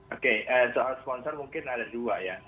oke soal sponsor mungkin ada dua ya